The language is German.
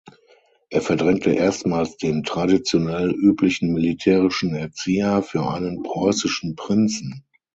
Er verdrängte erstmals den traditionell üblichen militärischen Erzieher für einen preußischen Prinzen.